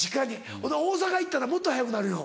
ほいで大阪行ったらもっと速くなるよ。